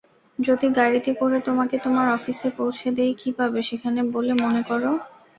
যদি গাড়িতে করে তোমাকে তোমার অফিসে পৌঁছে দেই কী পাবে সেখানে বলে মনে করো?